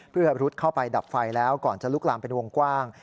เพื่อรุดเข้าไปดับไฟแล้วก่อนจะลุกลามเป็นวงกว้าง